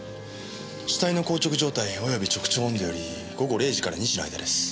死体の硬直状態及び直腸温度より午後０時から２時の間です。